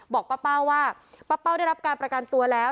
บอกป้าเป้าว่าป้าเป้าได้รับการประกันตัวแล้ว